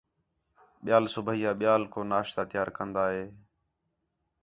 ٻِیال صُبیح آ ٻِیال کو ناشتہ تیار کندا ہے